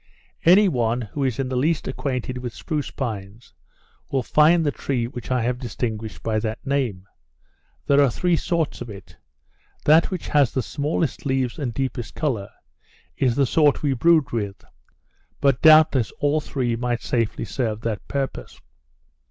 Any one, who is in the least acquainted with spruce pines, will find the tree which I have distinguished by that name. There are three sorts of it; that which has the smallest leaves and deepest colour, is the sort we brewed with; but doubtless all three might safely serve that purpose.